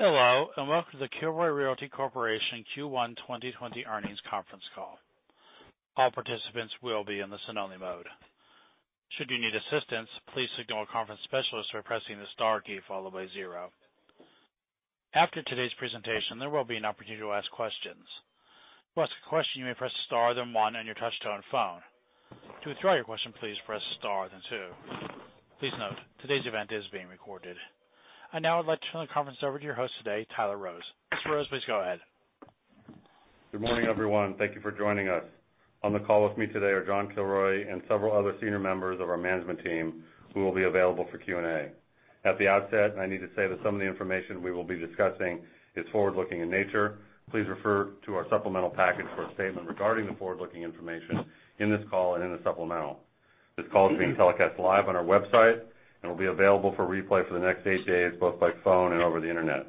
Hello, and welcome to the Kilroy Realty Corporation Q1 2020 earnings conference call. All participants will be in listen-only mode. Should you need assistance, please signal a conference specialist by pressing the star key, followed by zero. After today's presentation, there will be an opportunity to ask questions. To ask a question, you may press star, then one on your touch-tone phone. To withdraw your question, please press star, then two. Please note, today's event is being recorded. I'd now like to turn the conference over to your host today, Tyler Rose. Mr. Rose, please go ahead. Good morning, everyone. Thank you for joining us. On the call with me today are John Kilroy and several other senior members of our management team who will be available for Q&A. At the outset, I need to say that some of the information we will be discussing is forward-looking in nature. Please refer to our supplemental package for a statement regarding the forward-looking information in this call and in the supplemental. This call is being telecast live on our website and will be available for replay for the next eight days, both by phone and over the Internet.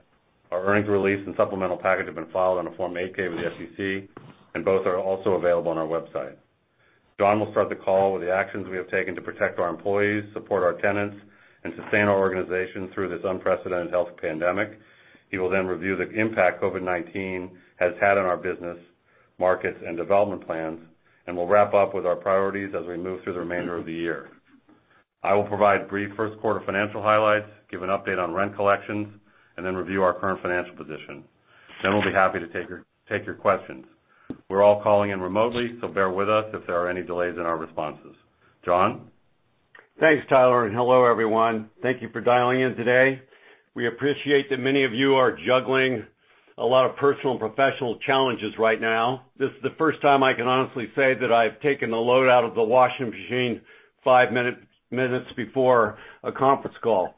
Our earnings release and supplemental package have been filed on a Form 8-K with the SEC, and both are also available on our website. John will start the call with the actions we have taken to protect our employees, support our tenants, and sustain our organization through this unprecedented health pandemic. He will then review the impact COVID-19 has had on our business, markets, and development plans. We'll wrap up with our priorities as we move through the remainder of the year. I will provide brief first quarter financial highlights, give an update on rent collections, and then review our current financial position then we'll be happy to take your questions. We're all calling in remotely so bear with us if there are any delays in our responses. John? Thanks, Tyler. Hello, everyone. Thank you for dialing in today. We appreciate that many of you are juggling a lot of personal and professional challenges right now. This is the first time I can honestly say that I've taken the load out of the washing machine five minutes before a conference call.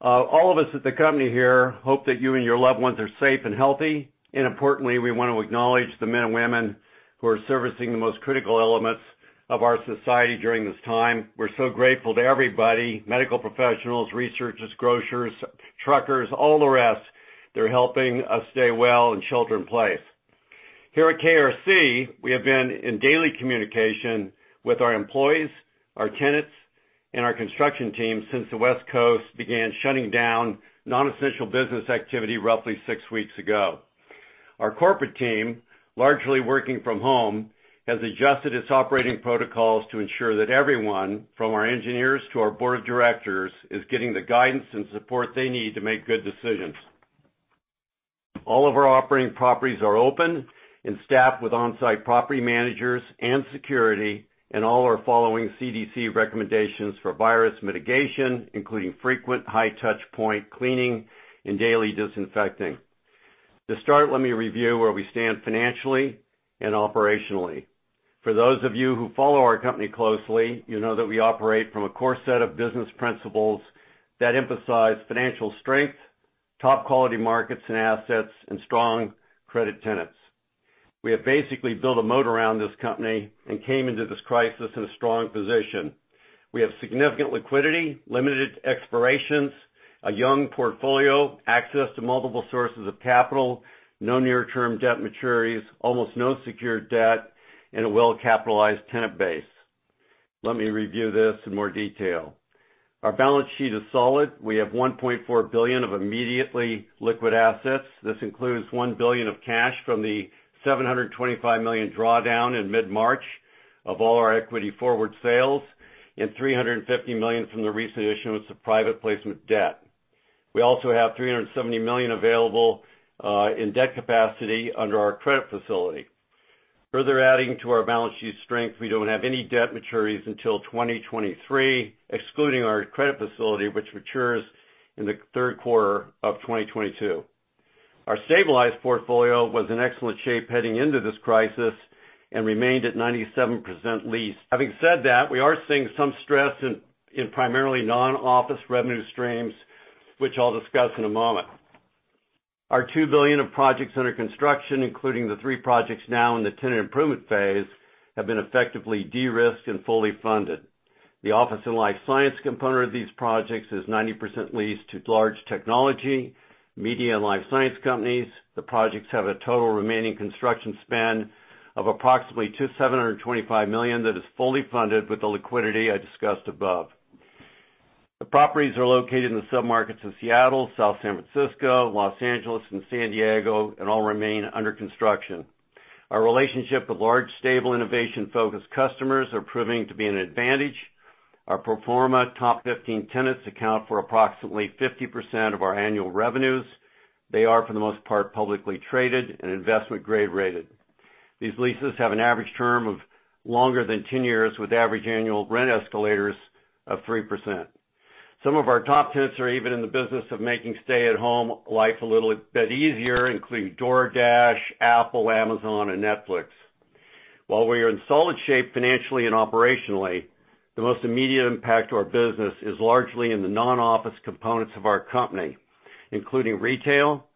All of us at the company here hope that you and your loved ones are safe and healthy. Importantly, we want to acknowledge the men and women who are servicing the most critical elements of our society during this time. We're so grateful to everybody, medical professionals, researchers, grocers, truckers, all the rest. They're helping us stay well and shelter in place. Here at KRC, we have been in daily communication with our employees, our tenants, and our construction team since the West Coast began shutting down non-essential business activity roughly six weeks ago. Our corporate team, largely working from home, has adjusted its operating protocols to ensure that everyone, from our engineers to our Board of Directors, is getting the guidance and support they need to make good decisions. All of our operating properties are open and staffed with on-site property managers and security, and all are following CDC recommendations for virus mitigation, including frequent high touch point cleaning and daily disinfecting. To start, let me review where we stand financially and operationally. For those of you who follow our company closely, you know that we operate from a core set of business principles that emphasize financial strength, top quality markets and assets, and strong credit tenants. We have basically built a moat around this company and came into this crisis in a strong position. We have significant liquidity, limited expirations, a young portfolio, access to multiple sources of capital, no near term debt maturities, almost no secured debt, and a well-capitalized tenant base. Let me review this in more detail. Our balance sheet is solid. We have $1.4 billion of immediately liquid assets. This includes $1 billion of cash from the $725 million drawdown in mid-March of all our equity forward sales and $350 million from the recent issuance of private placement debt. We also have $370 million available in debt capacity under our credit facility. Further adding to our balance sheet strength, we don't have any debt maturities until 2023, excluding our credit facility, which matures in the third quarter of 2022. Our stabilized portfolio was in excellent shape heading into this crisis and remained at 97% leased. Having said that, we are seeing some stress in primarily non-office revenue streams, which I'll discuss in a moment. Our $2 billion of projects under construction, including the three projects now in the tenant improvement phase, have been effectively de-risked and fully funded. The office and life science component of these projects is 90% leased to large technology, media, and life science companies. The projects have a total remaining construction spend of approximately $725 million that is fully funded with the liquidity I discussed above. The properties are located in the sub-markets of Seattle, South San Francisco, Los Angeles, and San Diego, and all remain under construction. Our relationship with large, stable, innovation-focused customers are proving to be an advantage. Our pro forma top 15 tenants account for approximately 50% of our annual revenues. They are, for the most part, publicly-traded and investment grade rated. These leases have an average term of longer than 10 years, with average annual rent escalators of 3%. Some of our top tenants are even in the business of making stay-at-home life a little bit easier, including DoorDash, Apple, Amazon, and Netflix. While we are in solid shape financially and operationally, the most immediate impact to our business is largely in the non-office components of our company, including retail,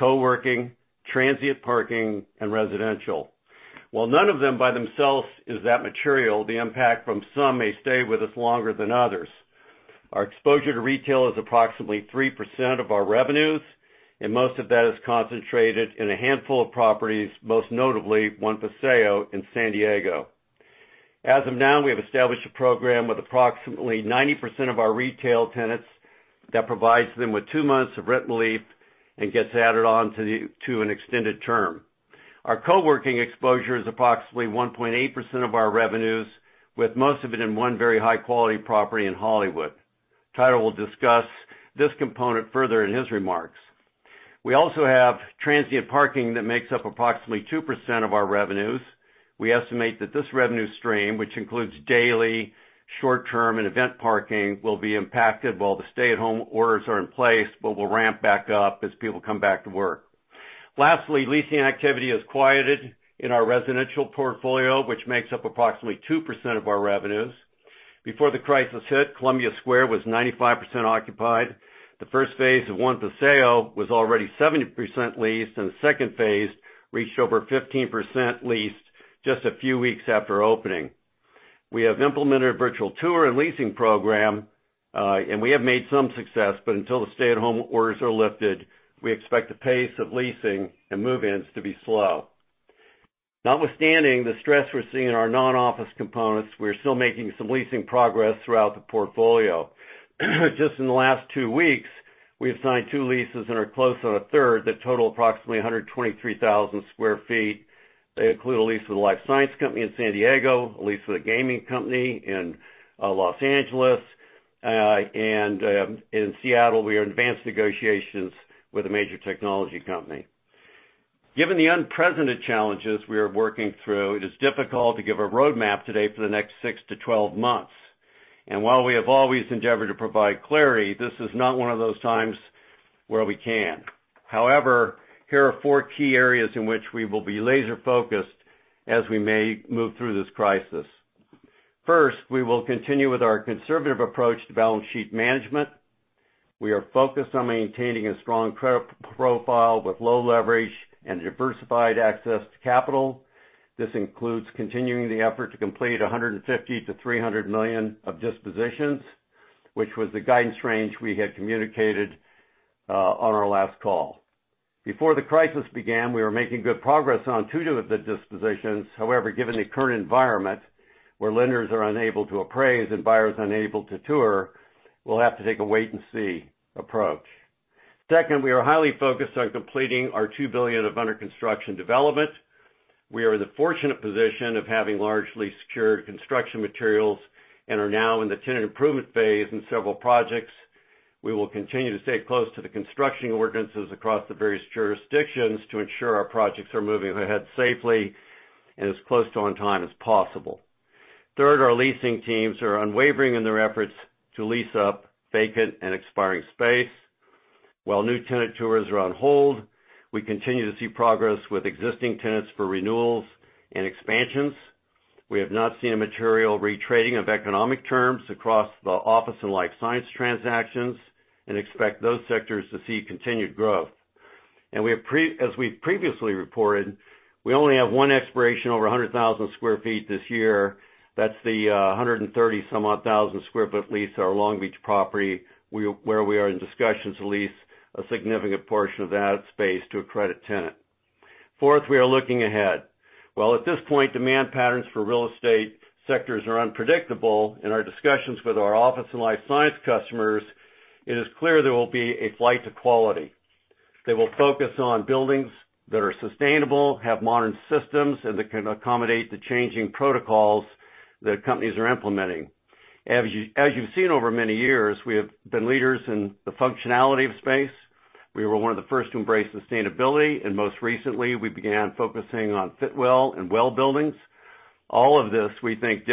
coworking, transient parking, and residential. While none of them by themselves is that material, the impact from some may stay with us longer than others. Our exposure to retail is approximately 3% of our revenues, and most of that is concentrated in a handful of properties, most notably One Paseo in San Diego. As of now, we have established a program with approximately 90% of our retail tenants that provides them with two months of rent relief and gets added on to an extended term. Our coworking exposure is approximately 1.8% of our revenues, with most of it in one very high-quality property in Hollywood. Tyler will discuss this component further in his remarks. We also have transient parking that makes up approximately 2% of our revenues. We estimate that this revenue stream, which includes daily, short-term, and event parking, will be impacted while the stay-at-home orders are in place but will ramp back up as people come back to work. Lastly, leasing activity has quieted in our residential portfolio, which makes up approximately 2% of our revenues. Before the crisis hit, Columbia Square was 95% occupied. The first phase of One Paseo was already 70% leased, and the second phase reached over 15% leased just a few weeks after opening. We have implemented a virtual tour and leasing program, and we have made some success, but until the stay-at-home orders are lifted, we expect the pace of leasing and move-ins to be slow. Notwithstanding the stress we're seeing in our non-office components, we're still making some leasing progress throughout the portfolio. Just in the last two weeks, we have signed two leases and are close on 1/3 that total approximately 123,000 sq ft. They include a lease with a life science company in San Diego, a lease with a gaming company in Los Angeles, and in Seattle, we are in advanced negotiations with a major technology company. Given the unprecedented challenges we are working through, it is difficult to give a roadmap today for the next 6-12 months. While we have always endeavored to provide clarity, this is not one of those times where we can. However, here are four key areas in which we will be laser-focused as we may move through this crisis. First, we will continue with our conservative approach to balance sheet management. We are focused on maintaining a strong credit profile with low leverage and diversified access to capital. This includes continuing the effort to complete $150 million-$300 million of dispositions, which was the guidance range we had communicated on our last call. Before the crisis began, we were making good progress on two of the dispositions. However, given the current environment where lenders are unable to appraise and buyers unable to tour, we'll have to take a wait-and-see approach. Second, we are highly focused on completing our $2 billion of under-construction development. We are in the fortunate position of having largely secured construction materials and are now in the tenant improvement phase in several projects. We will continue to stay close to the construction ordinances across the various jurisdictions to ensure our projects are moving ahead safely and as close to on time as possible. Third, our leasing teams are unwavering in their efforts to lease up vacant and expiring space. While new tenant tours are on hold, we continue to see progress with existing tenants for renewals and expansions. We have not seen a material retrading of economic terms across the office and life science transactions and expect those sectors to see continued growth. As we've previously reported, we only have one expiration over 100,000 sq ft this year. That's the 130,000 some-odd square foot lease, our Long Beach property, where we are in discussions to lease a significant portion of that space to a credit tenant. Fourth, we are looking ahead. While at this point, demand patterns for real estate sectors are unpredictable, in our discussions with our office and life science customers, it is clear there will be a flight to quality. They will focus on buildings that are sustainable, have modern systems, and that can accommodate the changing protocols that companies are implementing. As you've seen over many years, we have been leaders in the functionality of space, we were one of the first to embrace sustainability, and most recently, we began focusing on Fitwel and WELL buildings. All of this, we think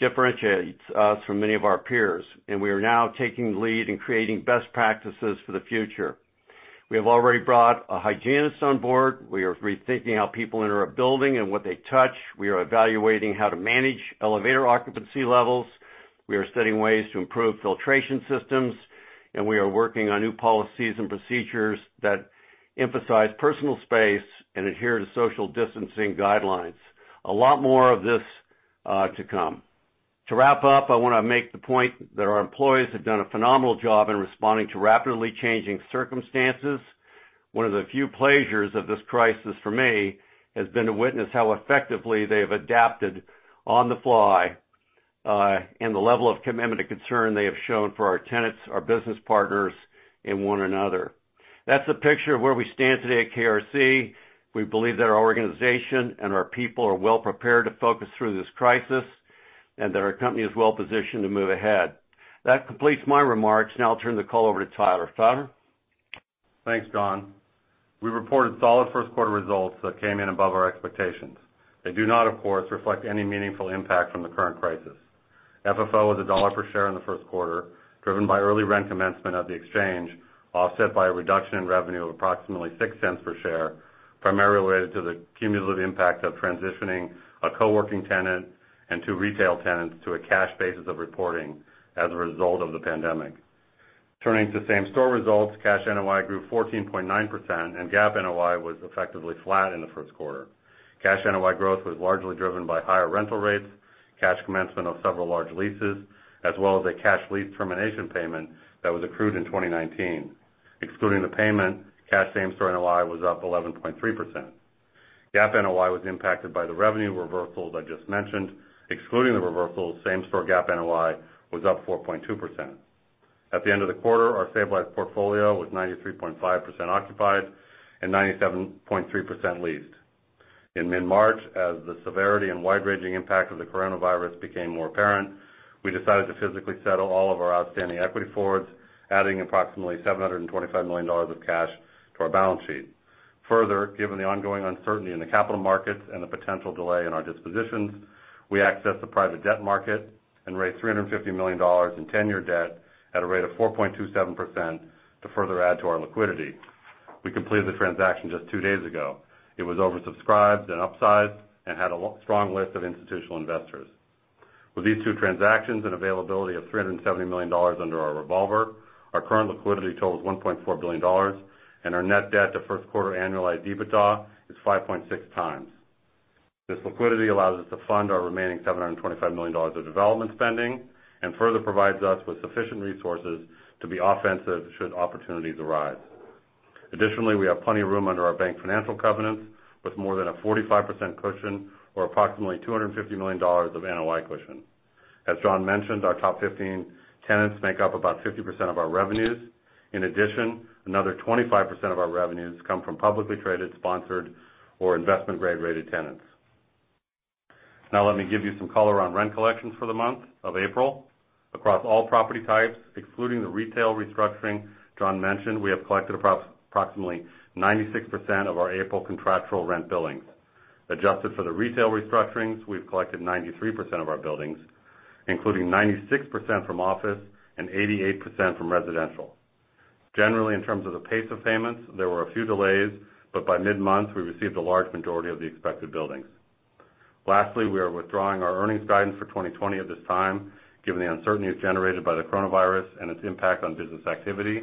differentiates us from many of our peers, and we are now taking the lead in creating best practices for the future. We have already brought a hygienist on board. We are rethinking how people enter a building and what they touch. We are evaluating how to manage elevator occupancy levels. We are studying ways to improve filtration systems, and we are working on new policies and procedures that emphasize personal space and adhere to social distancing guidelines. A lot more of this to come. To wrap up, I want to make the point that our employees have done a phenomenal job in responding to rapidly changing circumstances. One of the few pleasures of this crisis for me has been to witness how effectively they have adapted on the fly, and the level of commitment and concern they have shown for our tenants, our business partners, and one another. That's the picture of where we stand today at KRC. We believe that our organization and our people are well-prepared to focus through this crisis, and that our company is well positioned to move ahead. That completes my remarks. Now I'll turn the call over to Tyler. Tyler? Thanks, John. We reported solid first quarter results that came in above our expectations. They do not, of course, reflect any meaningful impact from the current crisis. FFO was $1 per share in the first quarter, driven by early rent commencement of The Exchange, offset by a reduction in revenue of approximately $0.06 per share, primarily related to the cumulative impact of transitioning a coworking tenant and two retail tenants to a cash basis of reporting as a result of the pandemic. Turning to same-store results, cash NOI grew 14.9%, and GAAP NOI was effectively flat in the first quarter. Cash NOI growth was largely driven by higher rental rates. Cash commencement of several large leases, as well as a cash lease termination payment that was accrued in 2019. Excluding the payment, cash same-store NOI was up 11.3%. GAAP NOI was impacted by the revenue reversals I just mentioned wxcluding the reversals, same-store GAAP NOI was up 4.2%. At the end of the quarter, our stabilized portfolio was 93.5% occupied and 97.3% leased. In mid-March, as the severity and wide-ranging impact of the coronavirus became more apparent, we decided to physically settle all of our outstanding equity forwards, adding approximately $725 million of cash to our balance sheet. Further, given the ongoing uncertainty in the capital markets and the potential delay in our dispositions, we accessed the private debt market and raised $350 million in tenure debt at a rate of 4.27% to further add to our liquidity. We completed the transaction just two days ago. It was oversubscribed and upsized and had a strong list of institutional investors. With these two transactions and availability of $370 million under our revolver, our current liquidity total is $1.4 billion, and our net debt to first quarter annualized EBITDA is 5.6x. This liquidity allows us to fund our remaining $725 million of development spending and further provides us with sufficient resources to be offensive should opportunities arise. Additionally, we have plenty of room under our bank financial covenants, with more than a 45% cushion or approximately $250 million of NOI cushion. As John mentioned, our top 15 tenants make up about 50% of our revenues. In addition, another 25% of our revenues come from publicly traded, sponsored, or investment-grade rated tenants. Now let me give you some color on rent collections for the month of April. Across all property types, excluding the retail restructuring John mentioned, we have collected approximately 96% of our April contractual rent billings. Adjusted for the retail restructurings, we've collected 93% of our billings, including 96% from office and 88% from residential. Generally, in terms of the pace of payments, there were a few delays, but by mid-month, we received the large majority of the expected billings. Lastly, we are withdrawing our earnings guidance for 2020 at this time, given the uncertainty generated by the coronavirus and its impact on business activity.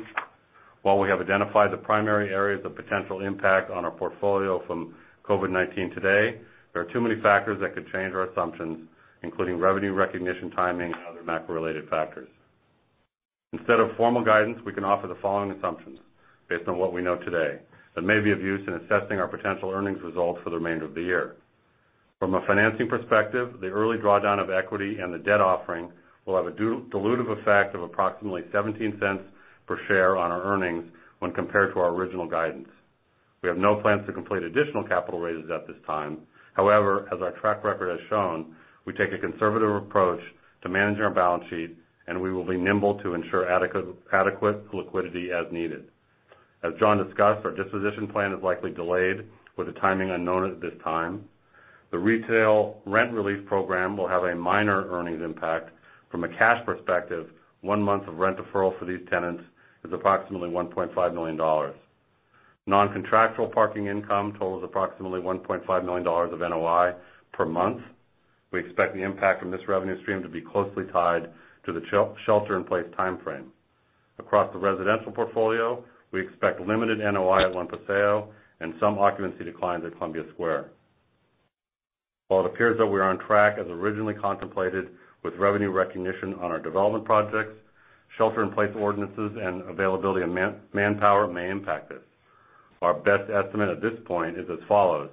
While we have identified the primary areas of potential impact on our portfolio from COVID-19 today, there are too many factors that could change our assumptions, including revenue recognition timing and other macro-related factors. Instead of formal guidance, we can offer the following assumptions based on what we know today that may be of use in assessing our potential earnings results for the remainder of the year. From a financing perspective, the early drawdown of equity and the debt offering will have a dilutive effect of approximately $0.17 per share on our earnings when compared to our original guidance. We have no plans to complete additional capital raises at this time. However, as our track record has shown, we take a conservative approach to managing our balance sheet, and we will be nimble to ensure adequate liquidity as needed. As John discussed, our disposition plan is likely delayed with the timing unknown at this time. The retail rent relief program will have a minor earnings impact. From a cash perspective, one month of rent deferral for these tenants is approximately $1.5 million. Non-contractual parking income totals approximately $1.5 million of NOI per month. We expect the impact from this revenue stream to be closely tied to the shelter-in-place timeframe. Across the residential portfolio, we expect limited NOI at One Paseo and some occupancy declines at Columbia Square. While it appears that we are on track as originally contemplated with revenue recognition on our development projects, shelter-in-place ordinances and availability of manpower may impact it. Our best estimate at this point is as follows.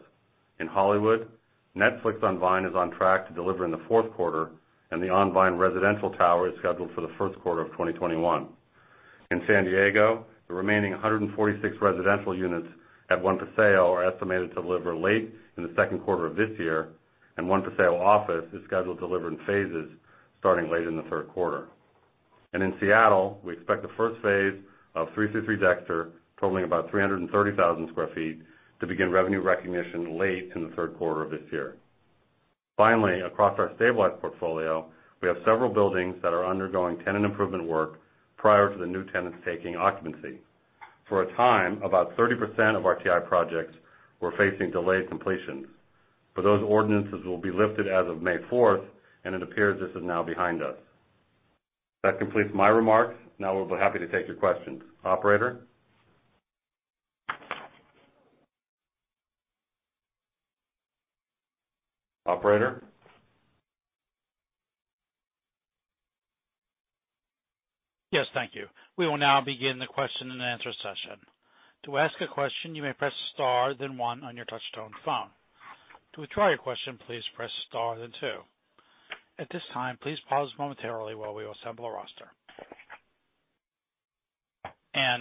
In Hollywood, Netflix on Vine is on track to deliver in the fourth quarter, and the on Vine residential tower is scheduled for the first quarter of 2021. In San Diego, the remaining 146 residential units at One Paseo are estimated to deliver late in the second quarter of this year, and One Paseo office is scheduled to deliver in phases starting late in the third quarter. In Seattle, we expect the first phase of 333 Dexter, totaling about 330,000 sq ft, to begin revenue recognition late in the third quarter of this year. Finally, across our stabilized portfolio, we have several buildings that are undergoing tenant improvement work prior to the new tenants taking occupancy. For a time, about 30% of our TI projects were facing delayed completions, but those ordinances will be lifted as of May 4th, and it appears this is now behind us. That completes my remarks. We'll be happy to take your questions. Operator? Operator? Yes, thank you. We will now begin the question-and-answer session. To ask a question, you may press star, then one on your touch-tone phone. To withdraw your question, please press star then two. At this time, please pause momentarily while we assemble a roster.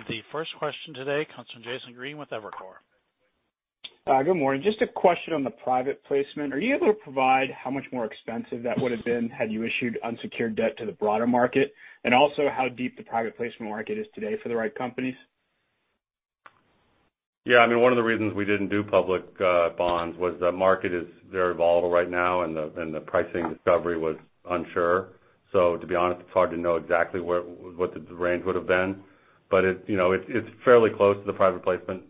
The first question today comes from Jason Green with Evercore. Good morning. Just a question on the private placement. Are you able to provide how much more expensive that would have been had you issued unsecured debt to the broader market and also how deep the private placement market is today for the right companies? Yeah. One of the reasons we didn't do public bonds was the market is very volatile right now, and the pricing discovery was unsure. To be honest, it's hard to know exactly what the range would have been but it's fairly close to the private placement.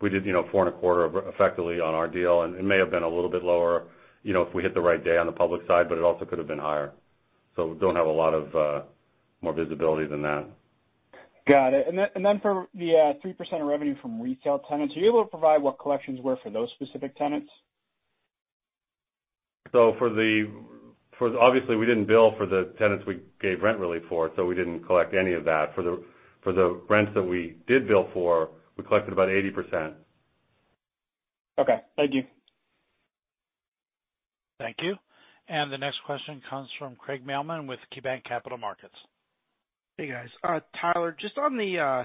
We did 4.25% effectively on our deal, and it may have been a little bit lower if we hit the right day on the public side, but it also could have been higher so we don't have a lot of more visibility than that. Got it. For the 3% of revenue from retail tenants, are you able to provide what collections were for those specific tenants? Obviously we didn't bill for the tenants we gave rent relief for, so we didn't collect any of that. For the rents that we did bill for, we collected about 80%. Okay. Thank you. Thank you. And the next question comes from Craig Mailman with KeyBanc Capital Markets. Hey, guys. Tyler, just on the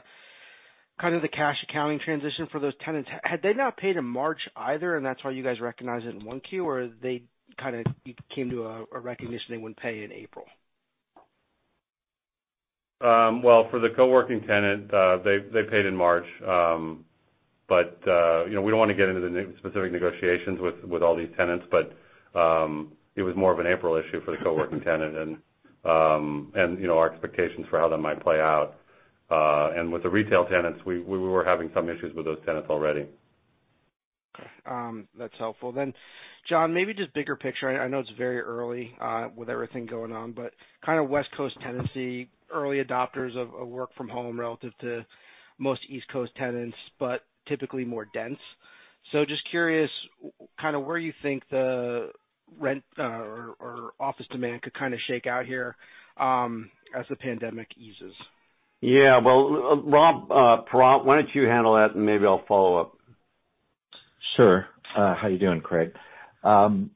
kind of the cash accounting transition for those tenants. Had they not paid in March either, and that's why you guys recognized it in 1Q? They kind of came to a recognition they wouldn't pay in April? Well, for the coworking tenant, they paid in March. We don't want to get into the specific negotiations with all these tenants but it was more of an April issue for the coworking tenant and our expectations for how that might play out. With the retail tenants, we were having some issues with those tenants already. Okay. That's helpful. John, maybe just bigger picture. I know it's very early with everything going on, kind of West Coast tenancy, early adopters of work from home relative to most East Coast tenants, typically more dense. Just curious, kind of where you think the rent or office demand could kind of shake out here as the pandemic eases. Yeah. Well, Rob Paratte, why don't you handle that and maybe I'll follow up. Sure. How you doing, Craig? Again,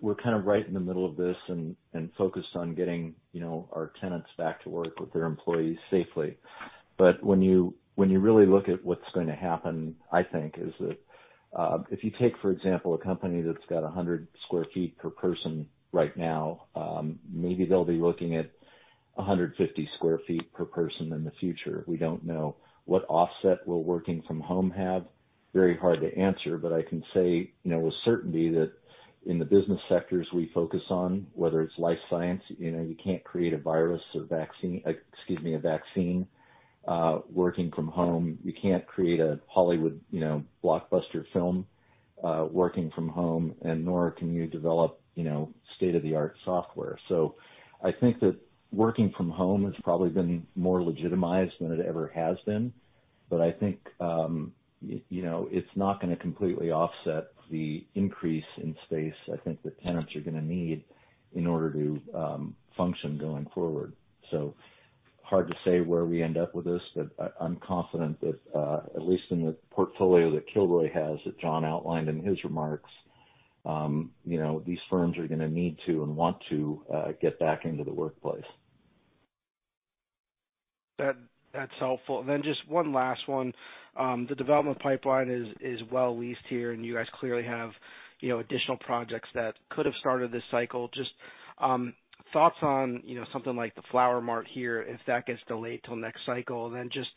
we're kind of right in the middle of this and focused on getting our tenants back to work with their employees safely. When you really look at what's going to happen, I think is that if you take, for example, a company that's got 100 sq ft per person right now, maybe they'll be looking at 150 sq ft per person in the future. We don't know what offset will working from home have. Very hard to answer, but I can say with certainty that in the business sectors we focus on, whether it's life science, you can't create a virus or vaccine working from home. You can't create a Hollywood blockbuster film working from home, and nor can you develop state-of-the-art software. I think that working from home has probably been more legitimized than it ever has been. I think it's not going to completely offset the increase in space I think that tenants are going to need in order to function going forward. Hard to say where we end up with this, but I'm confident that at least in the portfolio that Kilroy has, that John outlined in his remarks these firms are going to need to and want to get back into the workplace. That's helpful. Then just one last one. The development pipeline is well leased here, and you guys clearly have additional projects that could have started this cycle. Just thoughts on something like the Flower Mart here, if that gets delayed till next cycle. Just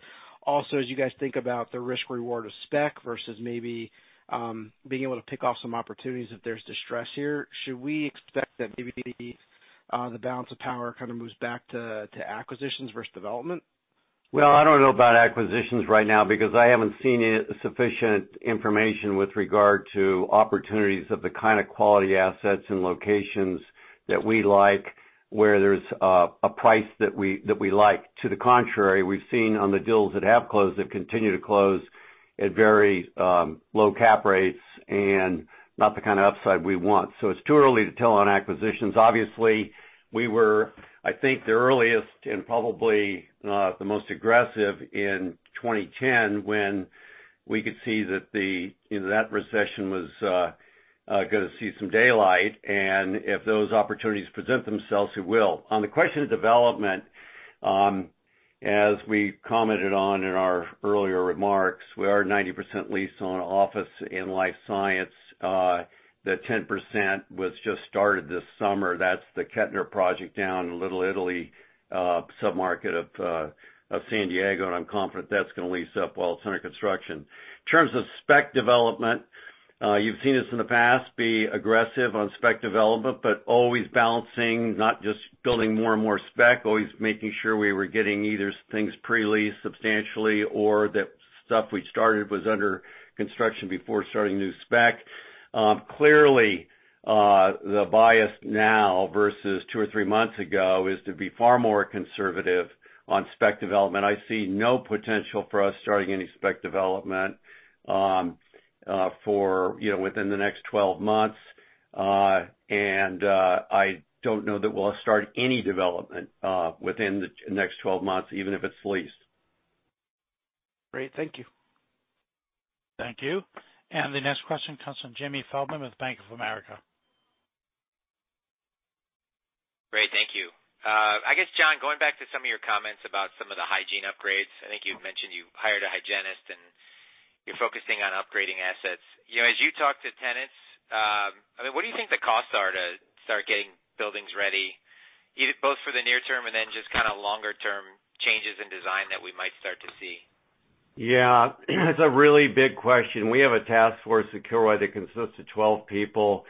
also, as you guys think about the risk reward of spec versus maybe being able to pick off some opportunities if there's distress here. Should we expect that maybe the balance of power kind of moves back to acquisitions versus development? Well, I don't know about acquisitions right now because I haven't seen sufficient information with regard to opportunities of the kind of quality assets and locations that we like, where there's a price that we like. To the contrary, we've seen on the deals that have closed, that continue to close at very low cap rates and not the kind of upside we want. It's too early to tell on acquisitions. Obviously, we were, I think, the earliest and probably the most aggressive in 2010 when we could see that that recession was going to see some daylight and if those opportunities present themselves, we will. On the question of development, as we commented on in our earlier remarks, we are 90% leased on office and life science. The 10% was just started this summer. That's the Kettner project down in Little Italy sub-market of San Diego. I'm confident that's going to lease up while it's under construction. In terms of spec development, you've seen us in the past be aggressive on spec development, always balancing, not just building more and more spec, always making sure we were getting either things pre-leased substantially or that stuff we started was under construction before starting new spec. Clearly, the bias now versus two or three months ago is to be far more conservative on spec development. I see no potential for us starting any spec development within the next 12 months. I don't know that we'll start any development within the next 12 months, even if it's leased. Great. Thank you. Thank you. And the next question comes from Jamie Feldman with Bank of America. Great. Thank you. I guess, John, going back to some of your comments about some of the hygiene upgrades. I think you've mentioned you hired a hygienist and you're focusing on upgrading assets. As you talk to tenants, what do you think the costs are to start getting buildings ready, both for the near term and then just kind of longer term changes in design that we might start to see? Yeah, that's a really big question. We have a task force at Kilroy that consists of 12 people.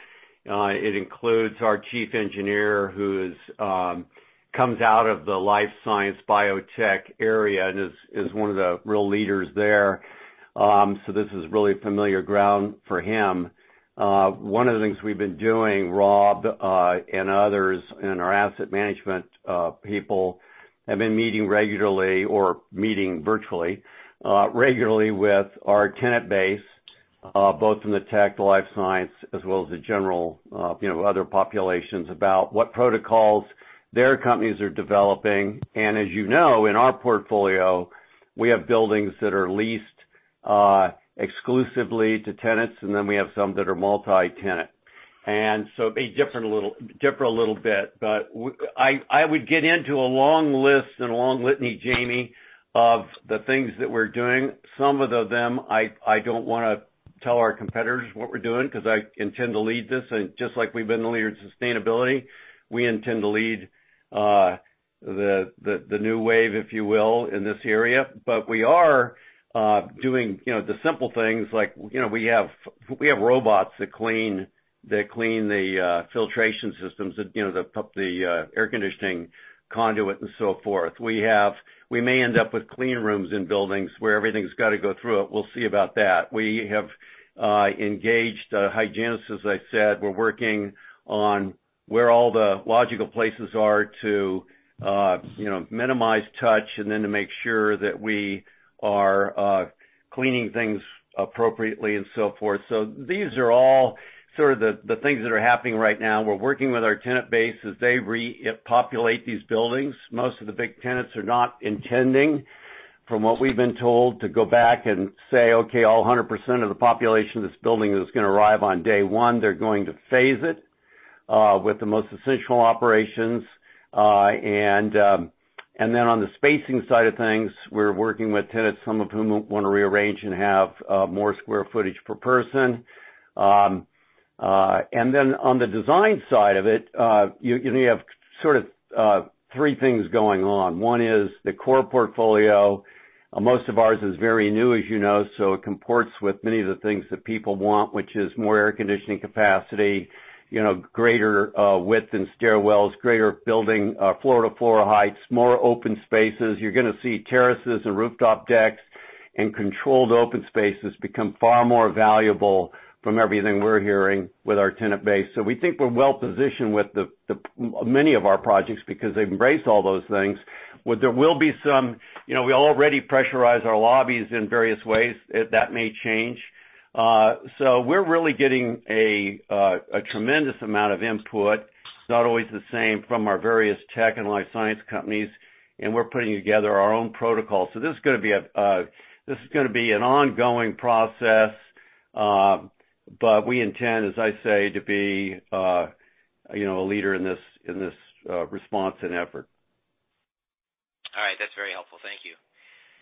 It includes our chief engineer, who comes out of the life science biotech area and is one of the real leaders there. This is really familiar ground for him. One of the things we've been doing, Rob, and others in our asset management people have been meeting regularly, or meeting virtually regularly with our tenant base, both in the tech, the life science, as well as the general other populations about what protocols their companies are developing. As you know, in our portfolio, we have buildings that are leased exclusively to tenants, then we have some that are multi-tenant. They differ a little bit. I would get into a long list and a long litany, Jamie, of the things that we're doing. Some of them, I don't want to tell our competitors what we're doing because I intend to lead this. Just like we've been the leader in sustainability, we intend to lead the new wave, if you will, in this area. We are doing the simple things like we have robots that clean the filtration systems, the air conditioning conduit and so forth. We may end up with clean rooms in buildings where everything's got to go through it. We'll see about that. We have engaged a hygienist, as I said. We're working on where all the logical places are to minimize touch and then to make sure that we are cleaning things appropriately and so forth. These are all sort of the things that are happening right now. We're working with our tenant base as they repopulate these buildings. Most of the big tenants are not intending, from what we've been told, to go back and say, "Okay, all 100% of the population of this building is going to arrive on day one." They're going to phase it with the most essential operations. On the spacing side of things, we're working with tenants, some of whom want to rearrange and have more square footage per person. On the design side of it, you have sort of three things going on. One is the core portfolio. Most of ours is very new, as you know, so it comports with many of the things that people want, which is more air conditioning capacity, greater width in stairwells, greater building floor-to-floor heights, more open spaces. You're going to see terraces and rooftop decks and controlled open spaces become far more valuable from everything we're hearing with our tenant base. We think we're well-positioned with many of our projects because they've embraced all those things. We already pressurize our lobbies in various ways. That may change. We're really getting a tremendous amount of input. It's not always the same from our various tech and life science companies, and we're putting together our own protocol. This is going to be an ongoing process. We intend, as I say, to be a leader in this response and effort. All right. That's very helpful. Thank you.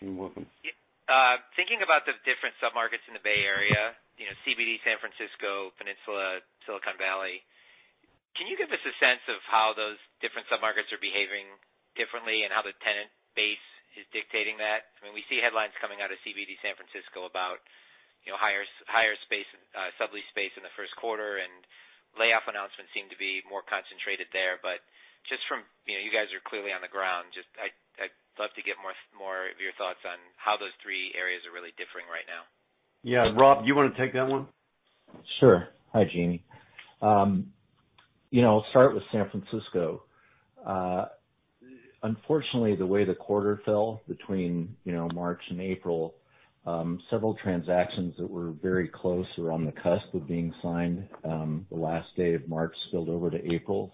You're welcome. Thinking about the different sub-markets in the Bay Area, CBD San Francisco, Peninsula, Silicon Valley, can you give us a sense of how those different sub-markets are behaving differently and how the tenant base is dictating that? We see headlines coming out of CBD San Francisco about higher sublease space in the first quarter, and layoff announcements seem to be more concentrated there. You guys are clearly on the ground. I'd love to get more of your thoughts on how those three areas are really differing right now. Yeah. Rob, do you want to take that one? Sure. Hi, Jamie. I'll start with San Francisco. Unfortunately, the way the quarter fell between March and April, several transactions that were very close or on the cusp of being signed the last day of March spilled over to April.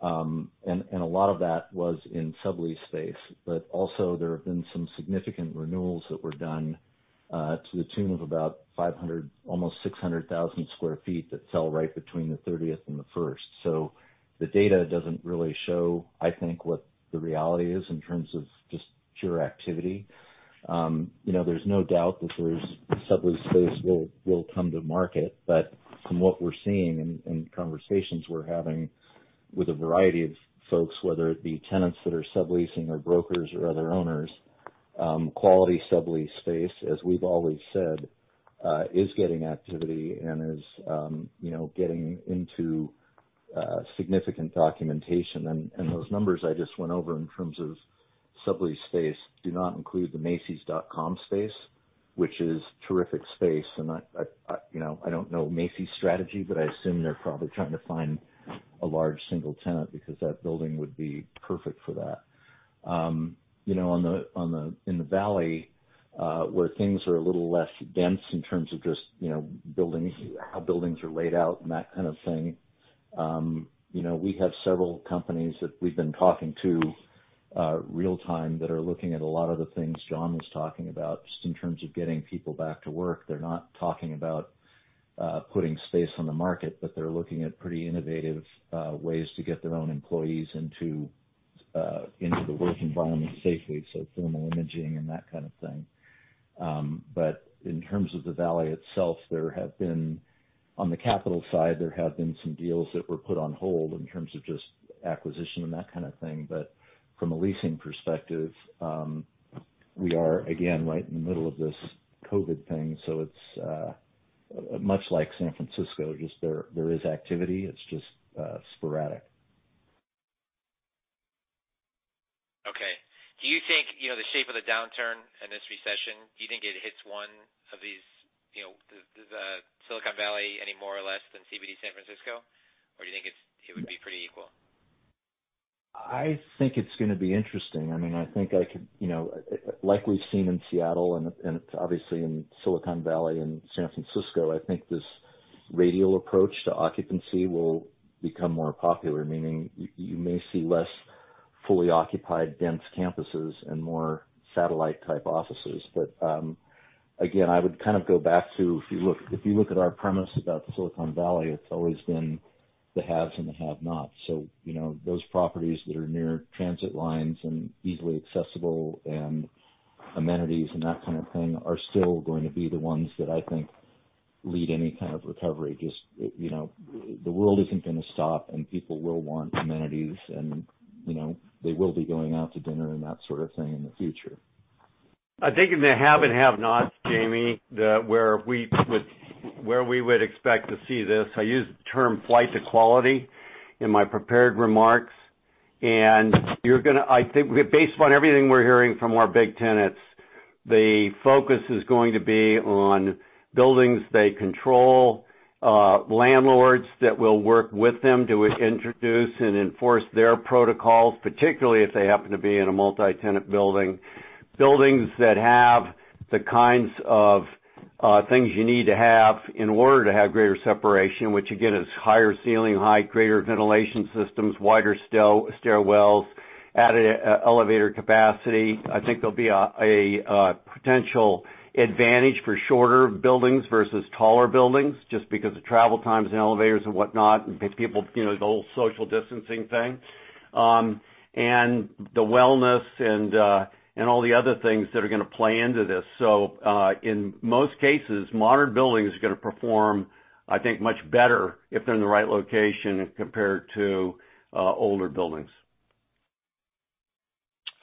A lot of that was in sublease space. Also there have been some significant renewals that were done to the tune of about 500,000 sq ft, almost 600,000 sq ft that fell right between the 30th and the 1st. The data doesn't really show, I think, what the reality is in terms of just pure activity. There's no doubt that there's sublease space will come to market. From what we're seeing and conversations we're having with a variety of folks, whether it be tenants that are subleasing or brokers or other owners, quality sublease space, as we've always said, is getting activity and is getting into significant documentation. Those numbers I just went over in terms of sublease space do not include the Macy's.com space, which is terrific space. I don't know Macy's strategy, but I assume they're probably trying to find a large single tenant because that building would be perfect for that. In the Valley, where things are a little less dense in terms of just how buildings are laid out and that kind of thing, we have several companies that we've been talking to real-time that are looking at a lot of the things John was talking about just in terms of getting people back to work. They're not talking about putting space on the market, but they're looking at pretty innovative ways to get their own employees into the work environment safely, so thermal imaging and that kind of thing. In terms of the Valley itself, on the capital side, there have been some deals that were put on hold in terms of just acquisition and that kind of thing. From a leasing perspective, we are, again, right in the middle of this COVID thing, so it's much like San Francisco, just there is activity, it's just sporadic. Okay. Do you think the shape of the downturn in this recession, do you think it hits one of these, Silicon Valley any more or less than CBD San Francisco, or do you think it would be pretty equal? I think it's going to be interesting. I think like we've seen in Seattle and obviously in Silicon Valley and San Francisco, I think this radial approach to occupancy will become more popular, meaning you may see less fully occupied, dense campuses and more satellite-type offices. Again, I would go back to, if you look at our premise about Silicon Valley, it's always been the haves and the have-nots. Those properties that are near transit lines and easily accessible, and amenities and that kind of thing, are still going to be the ones that I think lead any kind of recovery. Just the world isn't going to stop, and people will want amenities, and they will be going out to dinner and that sort of thing in the future. I think in the have and have-nots, Jamie, where we would expect to see this, I used the term flight to quality in my prepared remarks. I think based upon everything we're hearing from our big tenants, the focus is going to be on buildings they control, landlords that will work with them to introduce and enforce their protocols, particularly if they happen to be in a multi-tenant building. Buildings that have the kinds of things you need to have in order to have greater separation, which again, is higher ceiling height, greater ventilation systems, wider stairwells, added elevator capacity. I think there'll be a potential advantage for shorter buildings versus taller buildings, just because of travel times and elevators and whatnot, and the whole social distancing thing. The wellness and all the other things that are going to play into this. In most cases, modern buildings are going to perform, I think, much better if they're in the right location compared to older buildings.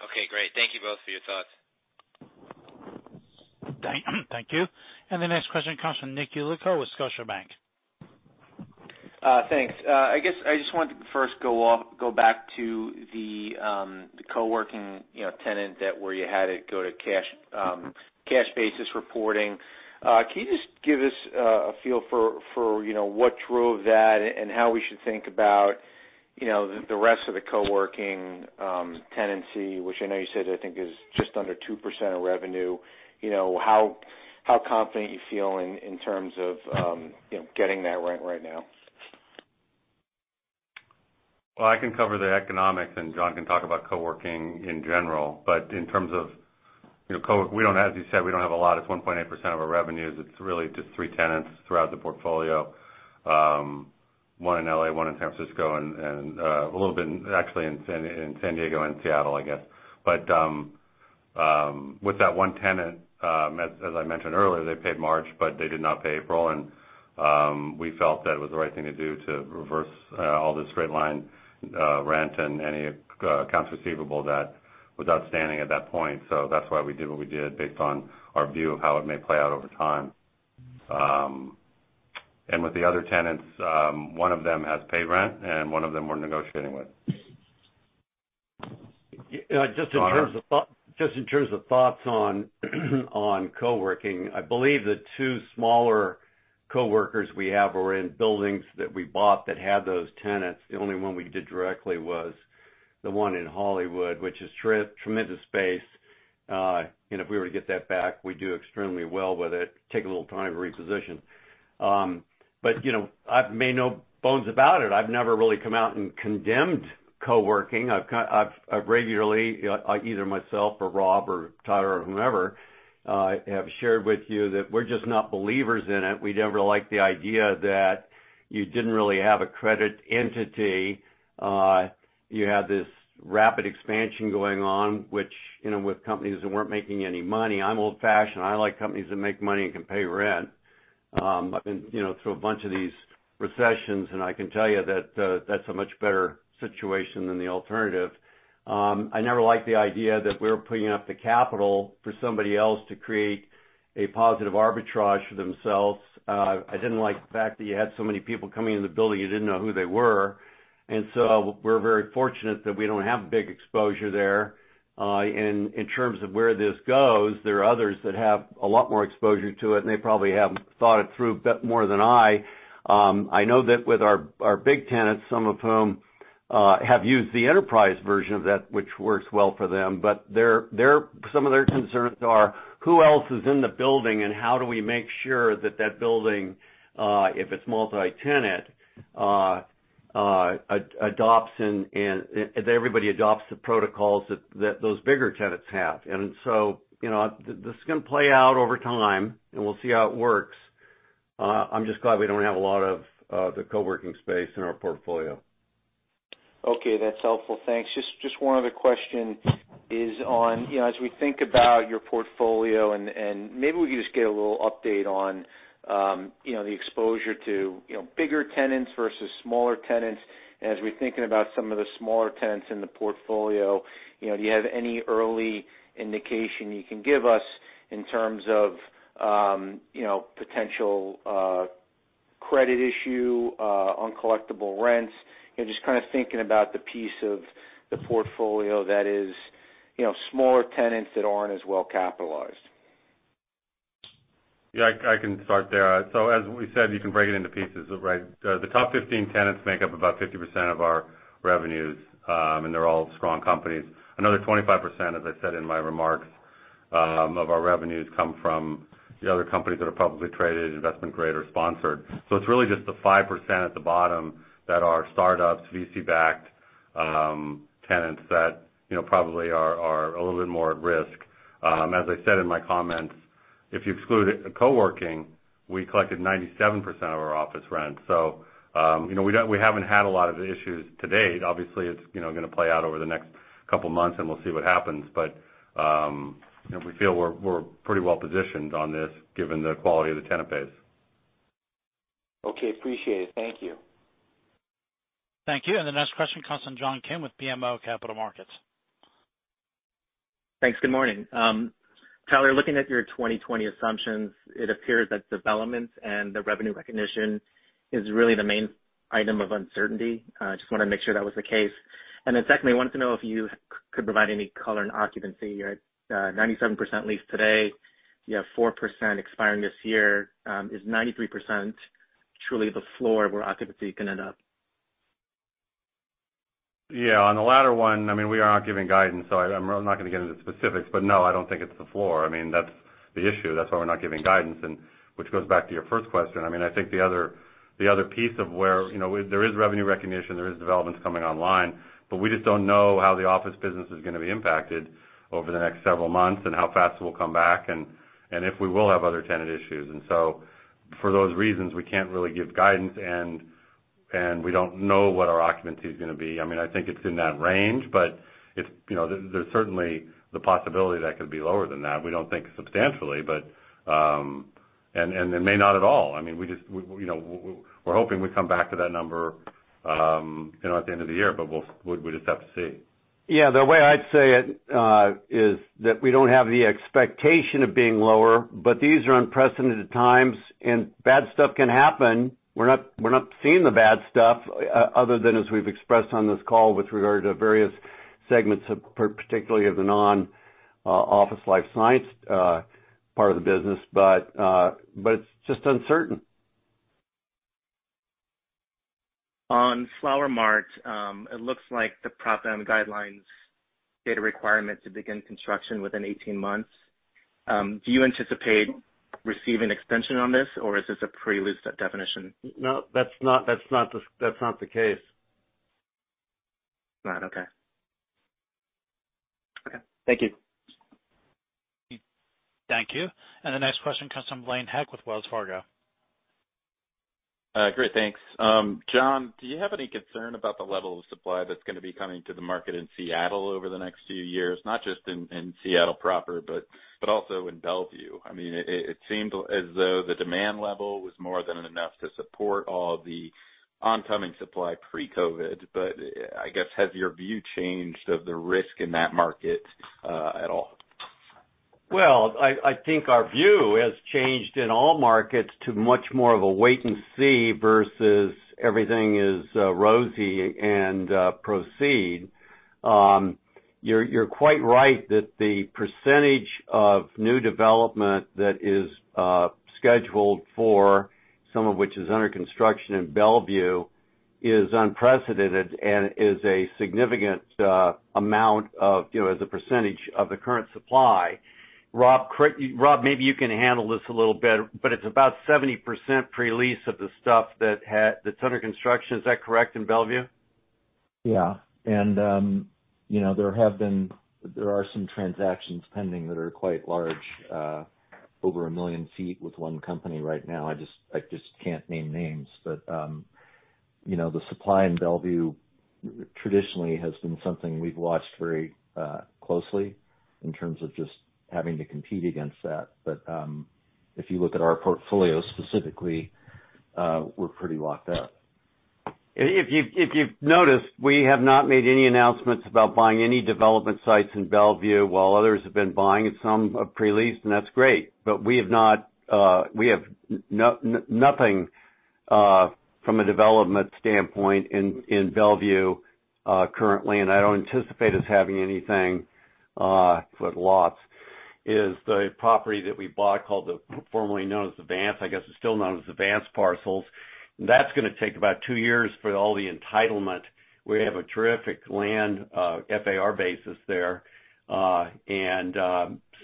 Okay, great. Thank you both for your thoughts. Thank you. The next question comes from Nick Yulico with Scotiabank. Thanks. I guess I just wanted to first go back to the coworking tenant where you had it go to cash basis reporting. Can you just give us a feel for what drove that and how we should think about the rest of the coworking tenancy, which I know you said I think is just under 2% of revenue? How confident you feel in terms of getting that rent right now? Well, I can cover the economics, and John can talk about coworking in general. In terms of coworking, as you said, we don't have a lot. It's 1.8% of our revenues. It's really just three tenants throughout the portfolio. One in L.A., one in San Francisco, and a little bit actually in San Diego and Seattle, I guess. With that one tenant, as I mentioned earlier, they paid March, but they did not pay April. We felt that it was the right thing to do to reverse all the straight-line rent and any accounts receivable that was outstanding at that point. That's why we did what we did based on our view of how it may play out over time. With the other tenants, one of them has paid rent and one of them we're negotiating with. John. Just in terms of thoughts on coworking, I believe the two smaller co-workers we have are in buildings that we bought that had those tenants. The only one we did directly was the one in Hollywood, which is tremendous space. If we were to get that back, we'd do extremely well with it. Take a little time to reposition. I've made no bones about it. I've never really come out and condemned coworking. I've regularly, either myself or Rob or Tyler or whomever, have shared with you that we're just not believers in it. We never liked the idea that you didn't really have a credit entity. You had this rapid expansion going on, which, with companies that weren't making any money. I'm old-fashioned. I like companies that make money and can pay rent. I've been through a bunch of these recessions, and I can tell you that's a much better situation than the alternative. I never liked the idea that we were putting up the capital for somebody else to create a positive arbitrage for themselves. I didn't like the fact that you had so many people coming into the building, you didn't know who they were. We're very fortunate that we don't have big exposure there. In terms of where this goes, there are others that have a lot more exposure to it, and they probably have thought it through a bit more than I. I know that with our big tenants, some of whom have used the enterprise version of that, which works well for them. Some of their concerns are who else is in the building and how do we make sure that that building, if it's multi-tenant, everybody adopts the protocols that those bigger tenants have. This is going to play out over time, and we'll see how it works. I'm just glad we don't have a lot of the coworking space in our portfolio. Okay, that's helpful. Thanks. Just one other question is on, as we think about your portfolio, and maybe we can just get a little update on the exposure to bigger tenants versus smaller tenants. As we're thinking about some of the smaller tenants in the portfolio, do you have any early indication you can give us in terms of potential credit issue, uncollectible rents just kind of thinking about the piece of the portfolio that is smaller tenants that aren't as well-capitalized. Yeah, I can start there. As we said, you can break it into pieces, right? The top 15 tenants make up about 50% of our revenues, and they're all strong companies. Another 25%, as I said in my remarks, of our revenues come from the other companies that are publicly traded, investment grade, or sponsored. It's really just the 5% at the bottom that are startups, VC-backed tenants that probably are a little bit more at risk. As I said in my comments, if you exclude coworking, we collected 97% of our office rent. We haven't had a lot of issues to date. Obviously, it's going to play out over the next couple of months, and we'll see what happens but we feel we're pretty well-positioned on this given the quality of the tenant base. Okay. Appreciate it. Thank you. Thank you. The next question comes from John Kim with BMO Capital Markets. Thanks. Good morning. Tyler, looking at your 2020 assumptions, it appears that developments and the revenue recognition is really the main item of uncertainty. Just want to make sure that was the case. Secondly, I wanted to know if you could provide any color on occupancy. You're at 97% leased today. You have 4% expiring this year. Is 93% truly the floor where occupancy can end up? Yeah. On the latter one, we are not giving guidance, so I'm not going to get into specifics. No, I don't think it's the floor. That's the issue. That's why we're not giving guidance which goes back to your first question. I think the other piece of where there is revenue recognition, there is developments coming online, but we just don't know how the office business is going to be impacted over the next several months and how fast it will come back, and if we will have other tenant issues. For those reasons, we can't really give guidance, and we don't know what our occupancy is going to be. I think it's in that range, but there's certainly the possibility that could be lower than that. We don't think substantially, and it may not at all. We're hoping we come back to that number at the end of the year, but we'll just have to see. Yeah. The way I'd say it is that we don't have the expectation of being lower, but these are unprecedented times, and bad stuff can happen. We're not seeing the bad stuff other than as we've expressed on this call with regard to various segments, particularly of the non-office life science part of the business. It's just uncertain. On Flower Mart, it looks like the pro forma guidelines state a requirement to begin construction within 18 months. Do you anticipate receiving extension on this, or is this a pre-lease definition? No, that's not the case. All right. Okay. Okay. Thank you. Thank you. The next question comes from Blaine Heck with Wells Fargo. Great. Thanks. John, do you have any concern about the level of supply that's going to be coming to the market in Seattle over the next few years? Not just in Seattle proper, but also in Bellevue. It seemed as though the demand level was more than enough to support all the oncoming supply pre-COVID. I guess, has your view changed of the risk in that market at all? Well, I think our view has changed in all markets to much more of a wait and see versus everything is rosy and proceed. You're quite right that the percentage of new development that is scheduled for some of which is under construction in Bellevue is unprecedented and is a significant amount as a percentage of the current supply. Rob, maybe you can handle this a little better, but it's about 70% pre-lease of the stuff that's under construction. Is that correct in Bellevue? Yeah. There are some transactions pending that are quite large, over 1 million feet with one company right now. I just can't name names. The supply in Bellevue traditionally has been something we've watched very closely in terms of just having to compete against that. If you look at our portfolio specifically, we're pretty locked up. If you've noticed, we have not made any announcements about buying any development sites in Bellevue while others have been buying some pre-lease, and that's great. We have nothing from a development standpoint in Bellevue currently, and I don't anticipate us having anything with lots. Is the property that we bought formerly known as Advanced, I guess it's still known as Advanced Parcels. That's going to take about two years for all the entitlement. We have a terrific land FAR basis there. If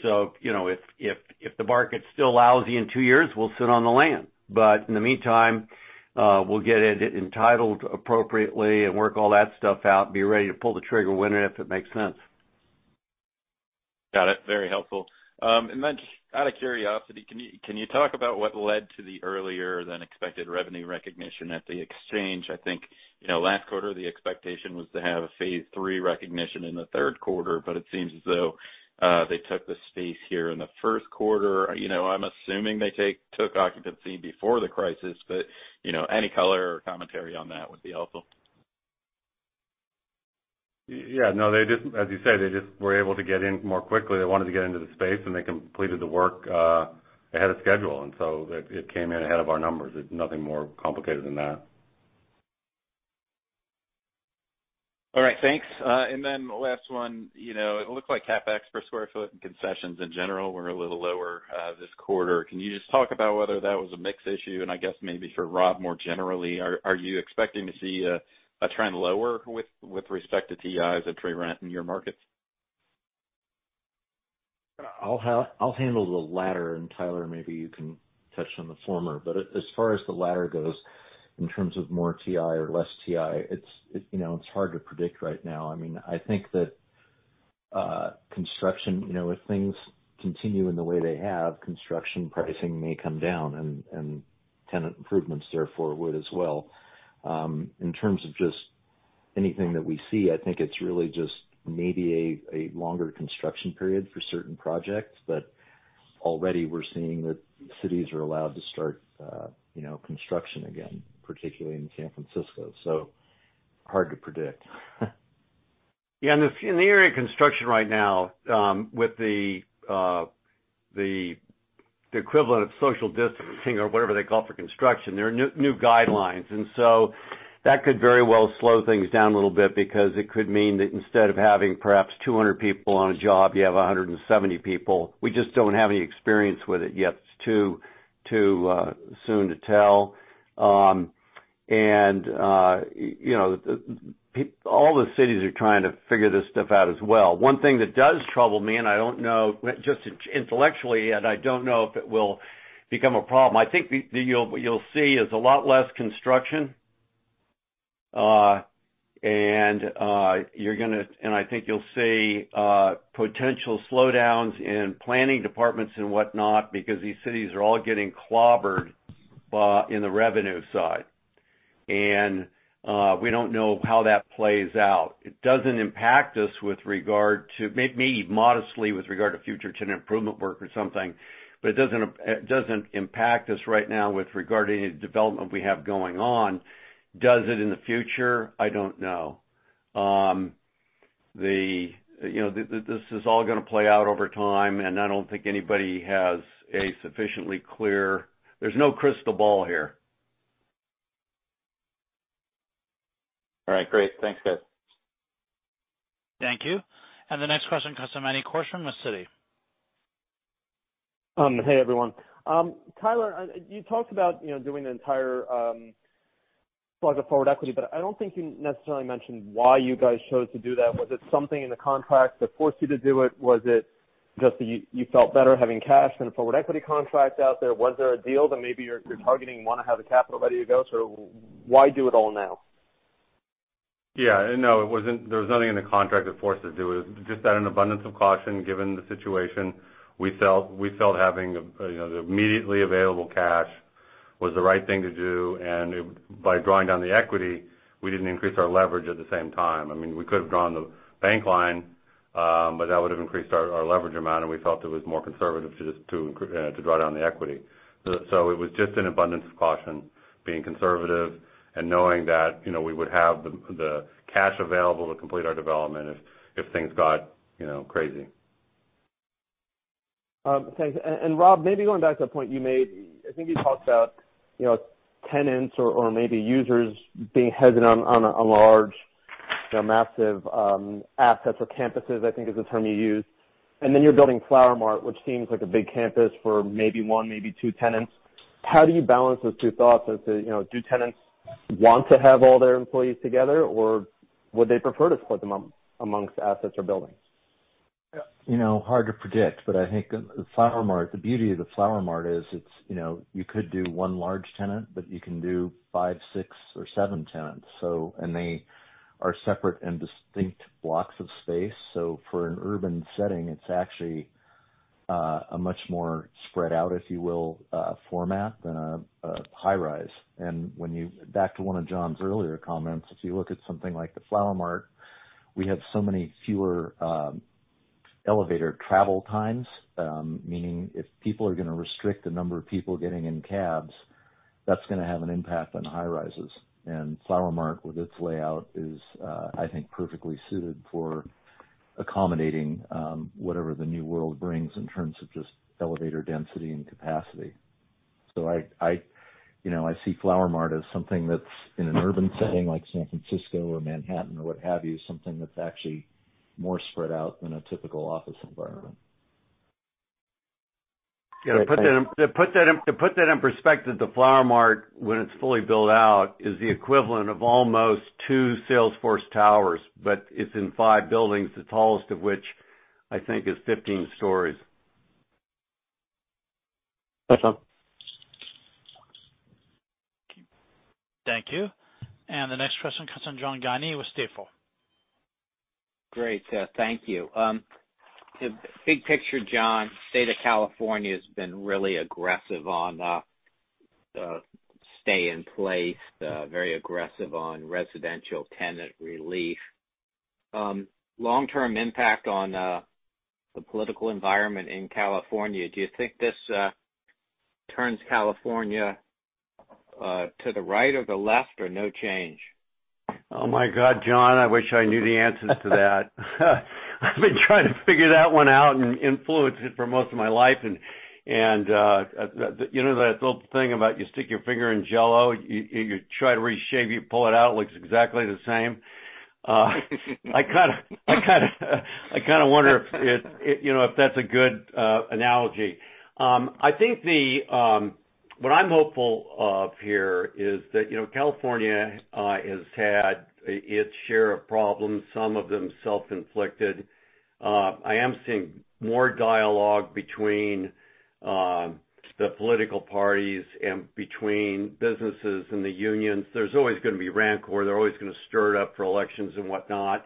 the market's still lousy in two years, we'll sit on the land. In the meantime, we'll get it entitled appropriately and work all that stuff out and be ready to pull the trigger when and if it makes sense. Got it. Very helpful. And then out of curiosity, can you talk about what led to the earlier than expected revenue recognition at The Exchange? I think last quarter the expectation was to have a phase three recognition in the third quarter. It seems as though they took the space here in the first quarter. I'm assuming they took occupancy before the crisis. Any color or commentary on that would be helpful. Yeah. As you said, they just were able to get in more quickly. They wanted to get into the space, and they completed the work ahead of schedule and so it came in ahead of our numbers. It's nothing more complicated than that. All right, thanks. Then last one. It looked like CapEx per square foot in concessions in general were a little lower this quarter. Can you just talk about whether that was a mix issue? I guess maybe for Rob, more generally, are you expecting to see a trend lower with respect to TIs and free rent in your markets? I'll handle the latter, and Tyler, maybe you can touch on the former. As far as the latter goes, in terms of more TI or less TI, it's hard to predict right now. I think that if things continue in the way they have, construction pricing may come down, and tenant improvements therefore would as well. In terms of just anything that we see, I think it's really just maybe a longer construction period for certain projects but already we're seeing that cities are allowed to start construction again, particularly in San Francisco so hard to predict. Yeah, in the area of construction right now, with the equivalent of social distancing or whatever they call it for construction, there are new guidelines. That could very well slow things down a little bit because it could mean that instead of having perhaps 200 people on a job, you have 170 people. We just don't have any experience with it yet. It's too soon to tell. All the cities are trying to figure this stuff out as well. One thing that does trouble me, just intellectually, and I don't know if it will become a problem. I think what you'll see is a lot less construction. I think you'll see potential slowdowns in planning departments and whatnot because these cities are all getting clobbered in the revenue side and we don't know how that plays out. It doesn't impact us, maybe modestly with regard to future tenant improvement work or something, but it doesn't impact us right now with regard to any development we have going on. Does it in the future? I don't know. This is all going to play out over time, and I don't think anybody has a sufficiently clear. There's no crystal ball here. All right, great. Thanks, guys. Thank you. The next question comes from Manny Korchman with Citi. Hey, everyone. Tyler, you talked about doing the entire plug of forward equity, I don't think you necessarily mentioned why you guys chose to do that. Was it something in the contract that forced you to do it? Was it just that you felt better having cash than a forward equity contract out there? Was there a deal that maybe you're targeting and want to have the capital ready to go? Why do it all now? Yeah. No, there was nothing in the contract that forced us to do it. Just out of an abundance of caution, given the situation, we felt having the immediately available cash was the right thing to do. By drawing down the equity, we didn't increase our leverage at the same time. We could have drawn the bank line, but that would have increased our leverage amount, and we felt it was more conservative to just draw down the equity. It was just an abundance of caution, being conservative, and knowing that we would have the cash available to complete our development if things got crazy. Thanks. Rob, maybe going back to a point you made. I think you talked about tenants or maybe users being hesitant on large, massive assets, or campuses, I think is the term you used and you're building Flower Mart, which seems like a big campus for maybe one, maybe two tenants. How do you balance those two thoughts as to, do tenants want to have all their employees together, or would they prefer to split them up amongst assets or buildings? Hard to predict, I think the beauty of the Flower Mart is you could do one large tenant, but you can do five, six, or seven tenants. They are separate and distinct blocks of space. For an urban setting, it's actually a much more spread out, if you will, format than a high-rise. Back to one of John's earlier comments, if you look at something like the Flower Mart, we have so many fewer elevator travel times, meaning if people are going to restrict the number of people getting in cabs, that's going to have an impact on high-rises. Flower Mart, with its layout, is I think perfectly suited for accommodating whatever the new world brings in terms of just elevator density and capacity. I see Flower Mart as something that's in an urban setting like San Francisco or Manhattan or what have you, something that's actually more spread out than a typical office environment. To put that in perspective, the Flower Mart, when it's fully built out, is the equivalent of almost two Salesforce towers, but it's in five buildings, the tallest of which I think is 15 stories. That's all Thank you. The next question comes from John Guinee with Stifel. Great, Seth. Thank you. Big picture, John, State of California has been really aggressive on the stay in place, very aggressive on residential tenant relief. Long-term impact on the political environment in California, do you think this turns California to the right or the left or no change? Oh my God, John, I wish I knew the answers to that. I've been trying to figure that one out and influence it for most of my life, and you know that old thing about you stick your finger in Jell-O, you try to reshape, you pull it out, it looks exactly the same? I kind of wonder if that's a good analogy. What I'm hopeful of here is that California has had its share of problems, some of them self-inflicted. I am seeing more dialogue between the political parties and between businesses and the unions. There's always going to be rancor. They're always going to stir it up for elections and whatnot.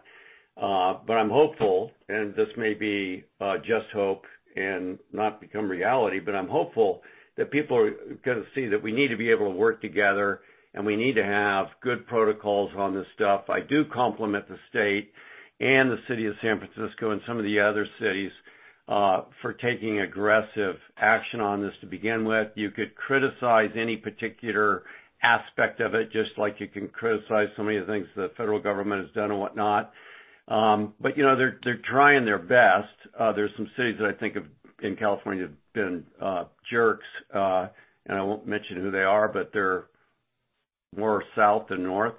I'm hopeful, and this may be just hope and not become reality, but I'm hopeful that people are going to see that we need to be able to work together, and we need to have good protocols on this stuff. I do compliment the State and the City of San Francisco and some of the other cities for taking aggressive action on this to begin with. You could criticize any particular aspect of it, just like you can criticize so many of the things the federal government has done and whatnot, but they're trying their best. There's some cities that I think of in California that have been jerks. I won't mention who they are, but they're more south than north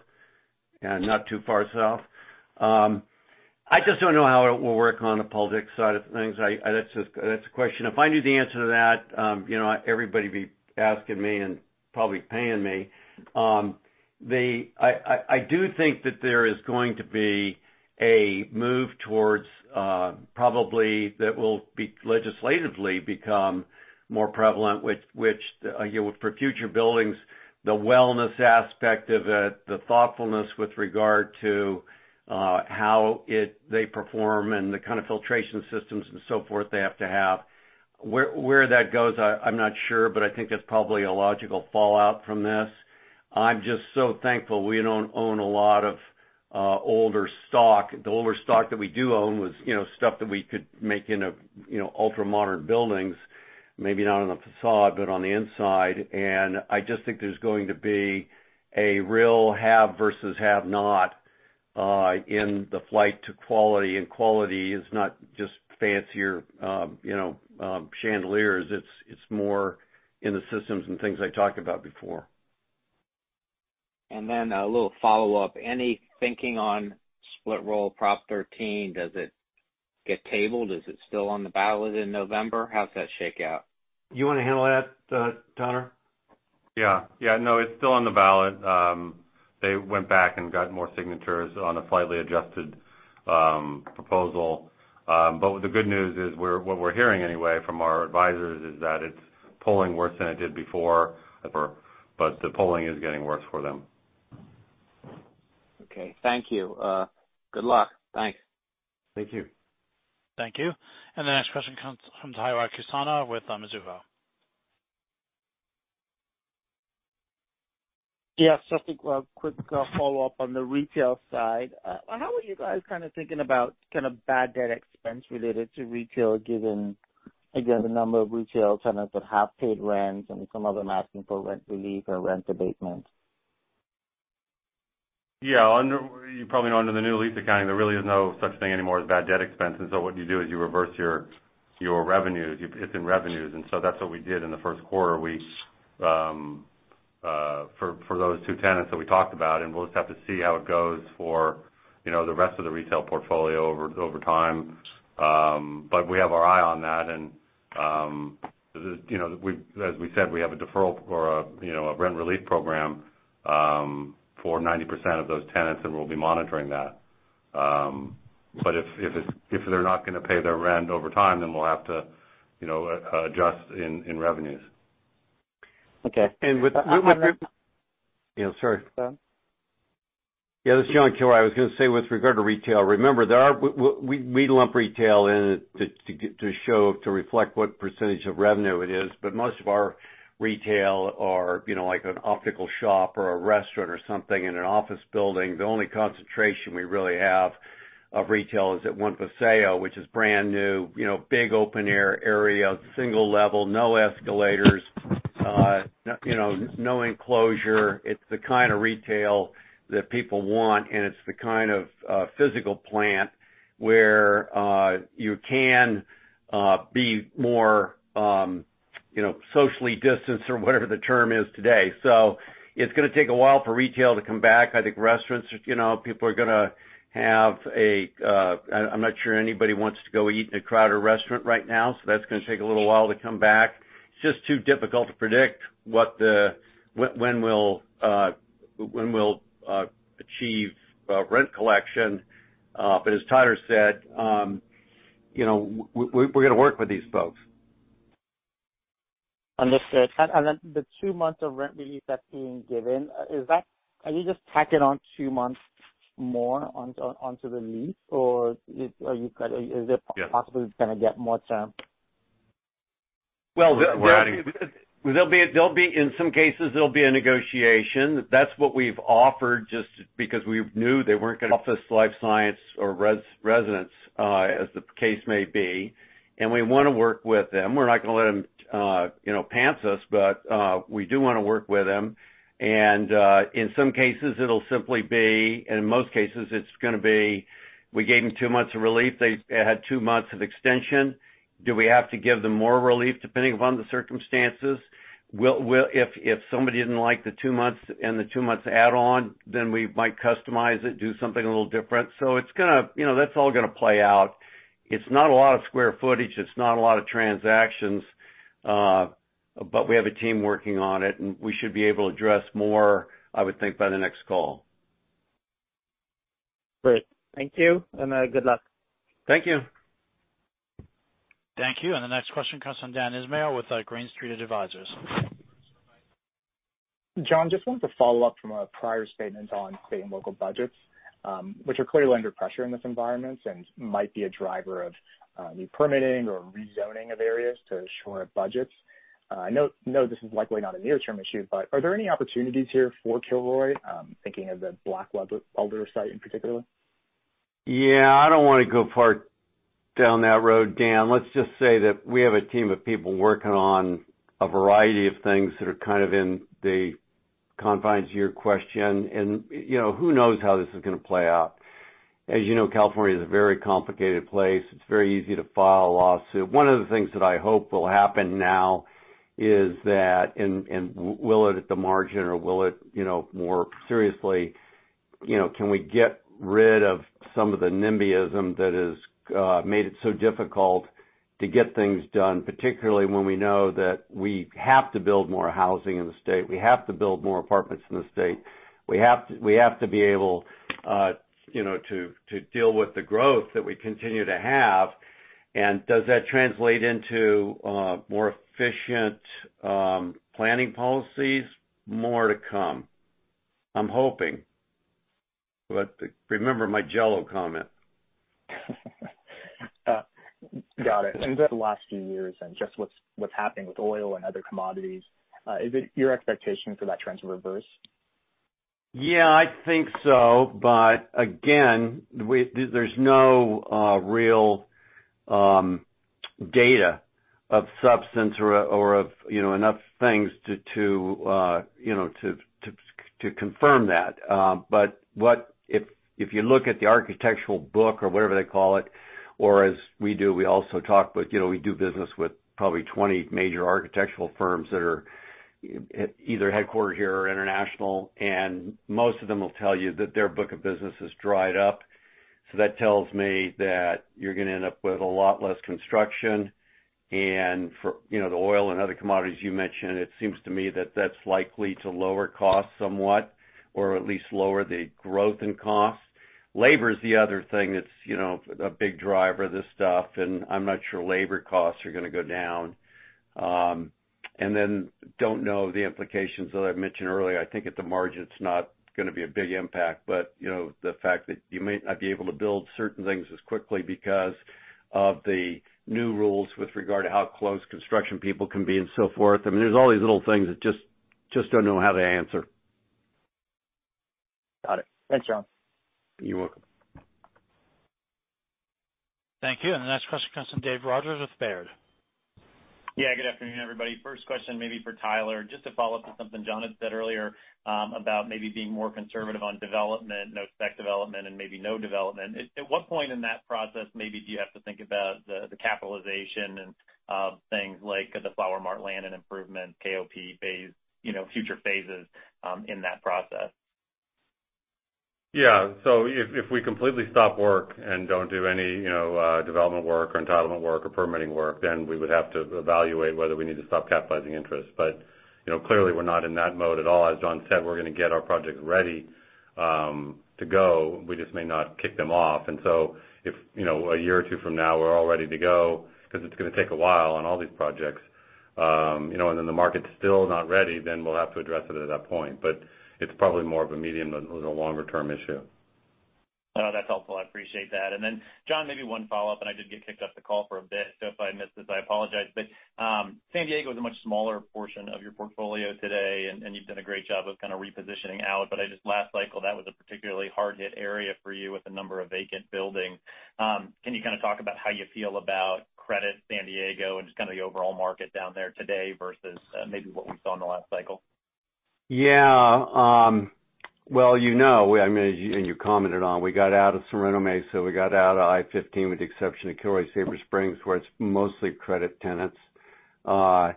and not too far south. I just don't know how it will work on the politics side of things. That's a question. If I knew the answer to that, everybody'd be asking me and probably paying me. I do think that there is going to be a move that will legislatively become more prevalent, for future buildings, the wellness aspect of it, the thoughtfulness with regard to how they perform and the kind of filtration systems and so forth they have to have. Where that goes, I'm not sure, but I think that's probably a logical fallout from this. I'm just so thankful we don't own a lot of older stock. The older stock that we do own was stuff that we could make into ultra-modern buildings. Maybe not on the façade, but on the inside. I just think there's going to be a real have versus have-not in the flight to quality, and quality is not just fancier chandeliers. It's more in the systems and things I talked about before. A little follow-up. Any thinking on split roll Prop 13? Does it get tabled? Is it still on the ballot in November? How's that shake out? You want to handle that, Tyler? Yeah. No, it's still on the ballot. They went back and got more signatures on a slightly adjusted proposal. The good news is, what we're hearing anyway from our advisors, is that it's polling worse than it did before. The polling is getting worse for them. Okay. Thank you. Good luck. Thanks. Thank you. Thank you. The next question comes from Tayo Okusanya with Mizuho. Yes, just a quick follow-up on the retail side. How are you guys thinking about bad debt expense related to retail, given, again, the number of retail tenants that have paid rent and some of them asking for rent relief or rent abatement? Yeah. You probably know under the new lease accounting, there really is no such thing anymore as bad debt expense. What you do is you reverse your revenues. It's in revenues. That's what we did in the first quarter for those two tenants that we talked about, and we'll just have to see how it goes for the rest of the retail portfolio over time. We have our eye on that and, as we said, we have a deferral or a rent relief program for 90% of those tenants, and we'll be monitoring that. If they're not going to pay their rent over time, then we'll have to adjust in revenues. Okay. Sorry. Yeah, this is John. I was going to say with regard to retail, remember, we lump retail in to reflect what percentage of revenue it is. Most of our retail are like an optical shop or a restaurant or something in an office building. The only concentration we really have of retail is at One Paseo, which is brand new, big open-air area, single level, no escalators, no enclosure. It's the kind of retail that people want, and it's the kind of physical plant where you can be more socially distanced or whatever the term is today. It's going to take a while for retail to come back. I'm not sure anybody wants to go eat in a crowded restaurant right now, that's going to take a little while to come back. It's just too difficult to predict but when we'll achieve rent collection as Tyler said, we're going to work with these folks. Understood. The two months of rent relief that's being given, are you just tacking on two months more onto the lease- Yeah. ...or is it possible it's going to get more time? Well, in some cases, there'll be a negotiation. That's what we've offered, just because we knew they weren't going to office life science or residents, as the case may be and we want to work with them. We're not going to let them pants us, but we do want to work with them. In most cases, it's going to be, we gave them two months of relief. They had two months of extension. Do we have to give them more relief depending upon the circumstances? If somebody didn't like the two months and the two months add-on, then we might customize it, do something a little different. That's all going to play out. It's not a lot of square footage, it's not a lot of transaction but we have a team working on it, and we should be able to address more, I would think, by the next call. Great. Thank you, and then good luck. Thank you. Thank you. The next question comes from Dan Ismail with Green Street Advisors. John, just wanted to follow up from a prior statement on state and local budgets, which are clearly under pressure in this environment and might be a driver of new permitting or rezoning of areas to shore up budgets. I know this is likely not a near-term issue, but are there any opportunities here for Kilroy? I'm thinking of the Black Alder site in particular. Yeah, I don't want to go far down that road, Dan. Let's just say that we have a team of people working on a variety of things that are kind of in the confines of your question. Who knows how this is going to play out. As you know, California is a very complicated place. It's very easy to file a lawsuit. One of the things that I hope will happen now is that and will it at the margin or will it more seriously. Can we get rid of some of the nimbyism that has made it so difficult to get things done, particularly when we know that we have to build more housing in the state, we have to build more apartments in the state. We have to be able to deal with the growth that we continue to have. Does that translate into more efficient planning policies? More to come. I'm hoping. Remember my Jell-O comment. Got it. The last few years, and just what's happening with oil and other commodities, is it your expectation for that trend to reverse? Yeah, I think so. Again, there's no real data of substance or of enough things to confirm that. If you look at the architectural book or whatever they call it, or as we do, we also do business with probably 20 major architectural firms that are either headquartered here or international, and most of them will tell you that their book of business has dried up so that tells me that you're going to end up with a lot less construction. For the oil and other commodities you mentioned, it seems to me that that's likely to lower costs somewhat, or at least lower the growth in cost. Labor is the other thing that's a big driver of this stuff, I'm not sure labor costs are going to go down. And then I don't know the implications that I've mentioned earlier. I think at the margin, it's not going to be a big impact. The fact that you may not be able to build certain things as quickly because of the new rules with regard to how close construction people can be and so forth. I mean, there's all these little things that just don't know how to answer. Got it. Thanks, John. You're welcome. Thank you. The next question comes from Dave Rodgers with Baird. Yeah. Good afternoon, everybody. First question maybe for Tyler, just to follow up to something John had said earlier about maybe being more conservative on development, no spec development, and maybe no development. At what point in that process maybe do you have to think about the capitalization and things like the Flower Mart land and improvement, KOP future phases in that process? Yeah. If we completely stop work and don't do any development work or entitlement work or permitting work, then we would have to evaluate whether we need to stop capitalizing interest. Clearly we're not in that mode at all. As John said, we're going to get our projects ready to go. We just may not kick them off. If a year or two from now we're all ready to go because it's going to take a while on all these projects, and then the market's still not ready, then we'll have to address it at that point but it's probably more of a medium than a longer-term issue. That's helpful. I appreciate that. Then John, maybe one follow-up, and I did get kicked off the call for a bit, so if I missed this, I apologize. San Diego is a much smaller portion of your portfolio today, and you've done a great job of kind of repositioning out. Last cycle, that was a particularly hard-hit area for you with a number of vacant buildings. Can you kind of talk about how you feel about credit San Diego and just kind of the overall market down there today versus maybe what we saw in the last cycle? Well, you commented on, we got out of Sorrento Mesa, we got out of I-15 with the exception of Kilroy Sabre Springs, where it's mostly credit tenants. We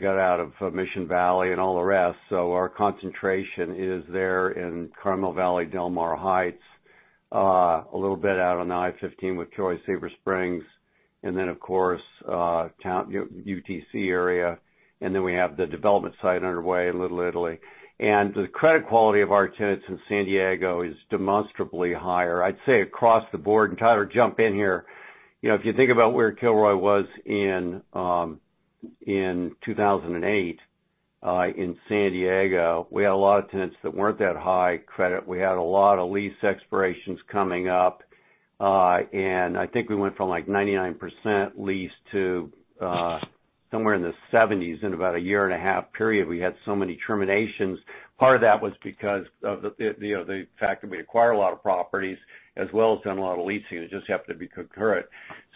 got out of Mission Valley and all the rest. Our concentration is there in Carmel Valley, Del Mar Heights, a little bit out on I-15 with Kilroy Sabre Springs, and then of course, UTC area. We have the development site underway in Little Italy. The credit quality of our tenants in San Diego is demonstrably higher, I'd say across the board. Tyler, jump in here. If you think about where Kilroy was in 2008. In San Diego, we had a lot of tenants that weren't that high credit. We had a lot of lease expirations coming up. I think we went from 99% lease to somewhere in the 70s in about a year-and-a-half period. We had so many terminations. Part of that was because of the fact that we acquire a lot of properties as well as done a lot of leasing. It just happened to be concurrent.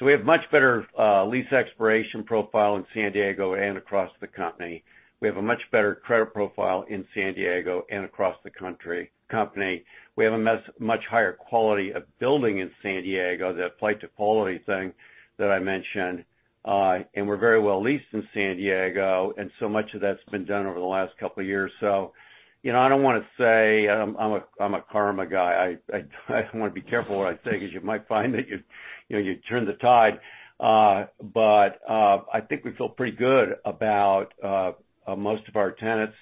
We have much better lease expiration profile in San Diego and across the company. We have a much better credit profile in San Diego and across the company. We have a much higher quality of building in San Diego, that flight to quality thing that I mentioned. We're very well leased in San Diego, and so much of that's been done over the last couple of years. I don't want to say I'm a karma guy. I want to be careful what I say, because you might find that you turn the tide. I think we feel pretty good about most of our tenants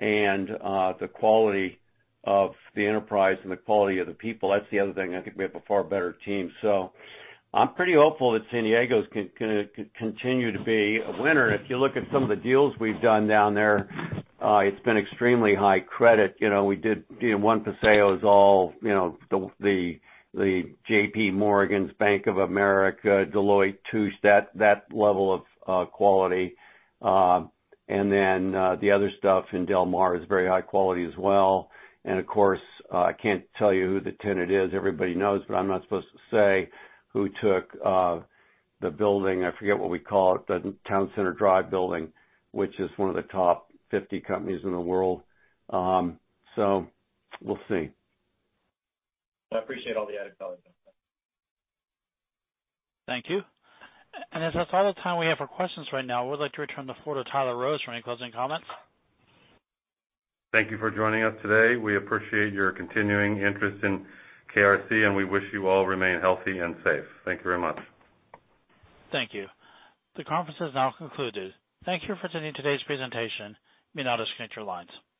and the quality of the enterprise and the quality of the people. That's the other thing. I think we have a far better team. I'm pretty hopeful that San Diego's going to continue to be a winner. If you look at some of the deals we've done down there, it's been extremely high credit. We did One Paseo is all the JPMorgan's, Bank of America, Deloitte & Touche, that level of quality. Then the other stuff in Del Mar is very high quality as well. Of course, I can't tell you who the tenant is. Everybody knows, but I'm not supposed to say who took the building. I forget what we call it, the Town Center Drive building, which is one of the top 50 companies in the world. We'll see. I appreciate all the added color. Thank you. As that's all the time we have for questions right now, we'd like to return the floor to Tyler Rose for any closing comments. Thank you for joining us today. We appreciate your continuing interest in KRC, and we wish you all remain healthy and safe. Thank you very much. Thank you. The conference is now concluded. Thank you for attending today's presentation. You may now disconnect your lines.